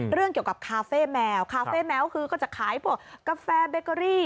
เรื่องเกี่ยวกับคาเฟ่แมวคาเฟ่แมวคือก็จะขายพวกกาแฟเบเกอรี่